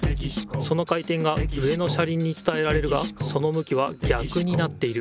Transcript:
その回てんが上の車りんにつたえられるがそのむきはぎゃくになっている。